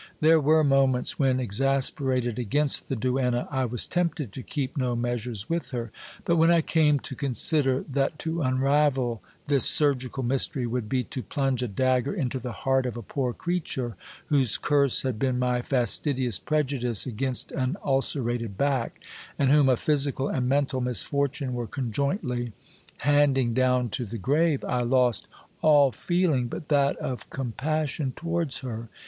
There were moments when, exasperated against the duenna, I was tempted to keep no measures with her ; but when I came to consider that to unravel this surgical mystery would be to plunge a dagger into the heart of a poor creature, whose curse had been my fastidious prejudice against an ulcerated back, and whom a physical and mental misfortune were conjointly handing down to the grave ; I lost all feeling but that of compassion towards her.